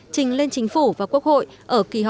trình lên chính phủ và quốc hội